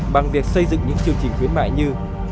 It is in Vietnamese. bằng việc xây dựng những chương trình khuyến mại như